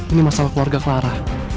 ini masalah keluarga kelara